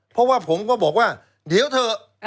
เพราะว่าผมก็บอกว่าเดี๋ยวเถอะ